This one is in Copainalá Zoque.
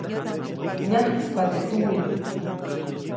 Mnajkspa teʼ tuwiʼ.